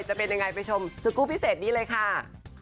จะเป็นยังไงไปชมสกูลพิเศษนี้เลยค่ะ